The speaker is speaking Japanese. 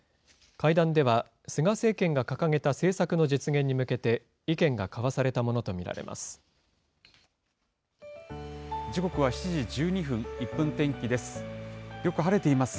会談では、菅政権が掲げた政策の実現に向けて、意見が交わされたものと見られます。